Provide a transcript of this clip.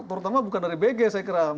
terutama bukan dari bg saya kira